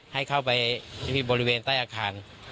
ให้เข้าไปที่บริเวณใต้อาคาร